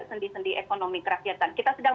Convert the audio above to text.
sendi sendi ekonomi kerakyatan kita sedang